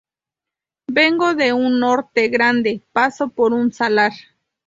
Vengo de un norte grande paso por un salar.